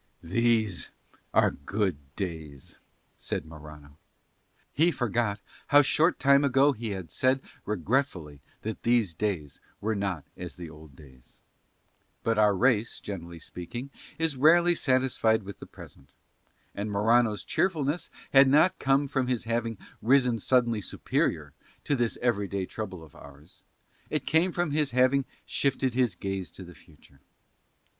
"These are good days," said Morano. He forgot how short a time ago he had said regretfully that these days were not as the old days. But our race, speaking generally, is rarely satisfied with the present, and Morano's cheerfulness had not come from his having risen suddenly superior to this everyday trouble of ours; it came from his having shifted his gaze to the future.